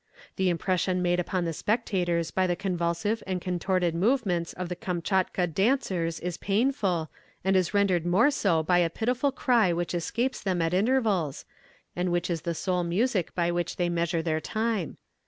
The impression made upon the spectators by the convulsive and contorted movements of the Kamtchatka dancers is painful, and is rendered more so by a pitiful cry which escapes them at intervals, and which is the sole music by which they measure their time.